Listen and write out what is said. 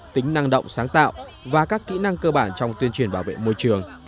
tính năng động sáng tạo và các kỹ năng cơ bản trong tuyên truyền bảo vệ môi trường